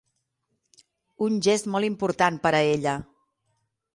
Un gest molt important per a ella.